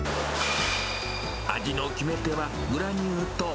味の決め手はグラニュー糖。